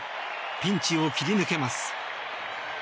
ピンチを切り抜けます。